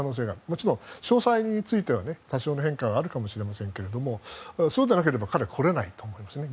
もちろん詳細については多少の変化はあるかもしれませんがそうでなければ彼は来れないと思うんですね。